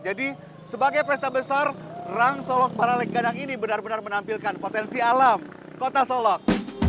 jadi sebagai pesta besar rangsolog baraleg gadang ini benar benar menampilkan potensi alam kota solok